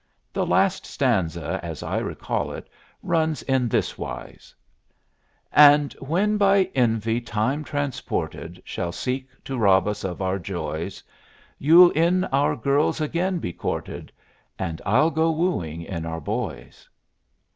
The last stanza, as I recall it, runs in this wise: And when by envy time transported Shall seek to rob us of our joys, You'll in our girls again be courted And I'll go wooing in our boys.